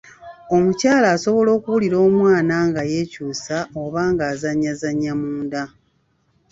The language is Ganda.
Omukyala asobola okuwulira omwana nga yeekyusa oba ng'azannyazannya munda